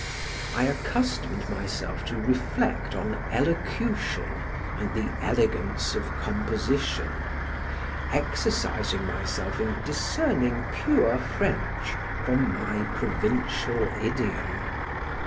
I accustomed myself to reflect on elocution and the elegance of composition; exercising myself in discerning pure French from my provincial idiom.